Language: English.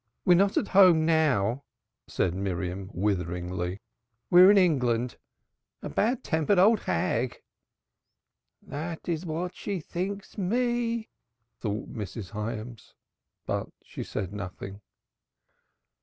"We are not at home now," said Miriam witheringly. "We're in England. A bad tempered old hag!" "That is what she thinks me," thought Mrs. Hyams. But she said nothing.